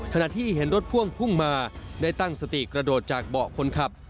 ขณะที่เห็นรถพ่วงพุ่งมาได้ตั้งสติกระโดดจากเบาะคนขับ